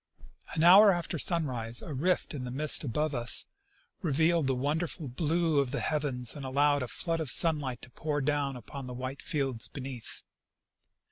An hour after sunrise a rift in the mist above us revealed the wonderful blue of the heavens, and allowed a flood of sunlight to jjour down upon the white fields beneath.